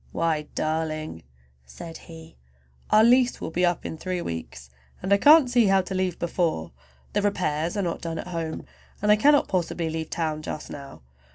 "Why darling!" said he, "our lease will be up in three weeks, and I can't see how to leave before. "The repairs are not done at home, and I cannot possibly leave town just now.